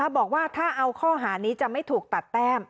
บอกว่าถ้าเอาข้อหานี้จะไม่ถูกตัดแต้ม